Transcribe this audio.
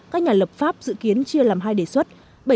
các nhà lập pháp dự kiến chia làm hai đề xuất